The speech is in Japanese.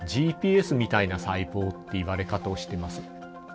ＧＰＳみたいな細胞っていわれ方をしています。